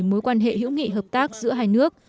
mối quan hệ hữu nghị hợp tác giữa hai nước